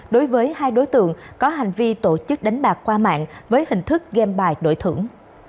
đối với hai đối tượng có hành vi tổ chức đánh bạc qua mạng với hình thức game bài đổi thưởng